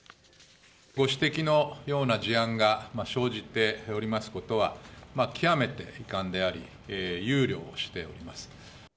ご指摘のような事案が生じておりますことは、極めて遺憾であり、憂慮しております。